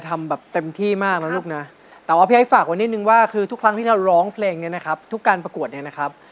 แต่ว่าพี่ไอฟากว่านิดนึงว่าคือทุกครั้งที่เราร้องเพลงนี้นะครับทุกการประกวดนี้นะครับ